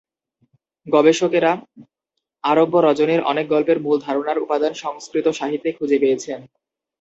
গবেষকেরা "আরব্য রজনীর" অনেক গল্পের মূল ধারণার উপাদান সংস্কৃত সাহিত্যে খুঁজে পেয়েছেন।